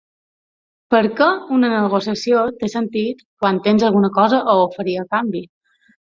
Perquè una negociació té sentit quan tens alguna cosa a oferir a canvi.